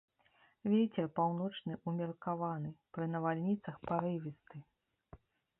Вецер паўночны ўмеркаваны, пры навальніцах парывісты.